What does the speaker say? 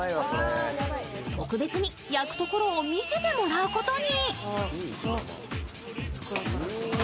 特別に、焼くところを見せてもらうことに。